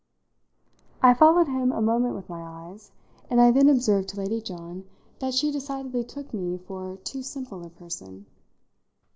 I followed him a moment with my eyes, and I then observed to Lady John that she decidedly took me for too simple a person.